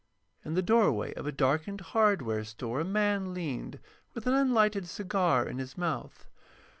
In the doorway of a darkened hardware store a man leaned, with an unlighted cigar in his mouth.